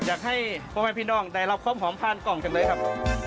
อยากให้พ่อแม่พี่น้องได้รับความหอมผ่านกล่องจังเลยครับ